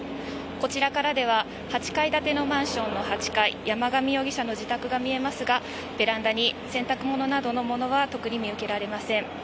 こちらからでは８階建てのマンションの８階山上容疑者の自宅が見えますがベランダに洗濯物などのものは特に見受けられません。